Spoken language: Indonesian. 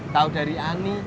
tau dari ani